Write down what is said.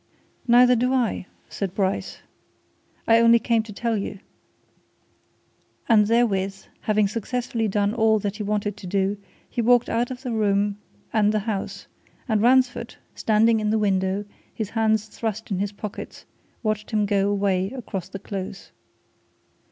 "Neither do I," said Bryce. "I only came to tell you." And therewith, having successfully done all that he wanted to do, he walked out of the room and the house, and Ransford, standing in the window, his hands thrust in his pockets, watched him go away across the Close.